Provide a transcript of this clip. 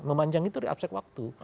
memanjang itu dari apses waktu